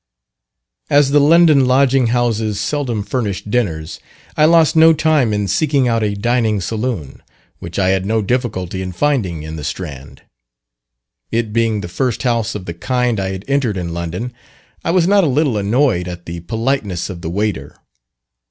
As the London lodging houses seldom furnish dinners, I lost no time in seeking out a dining saloon, which I had no difficulty in finding in the Strand. It being the first house of the kind I had entered in London, I was not a little annoyed at the politeness of the waiter.